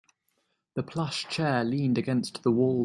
The plush chair leaned against the wall.